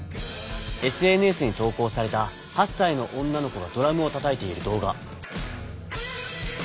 ＳＮＳに投稿された８さいの女の子がドラムをたたいている動画。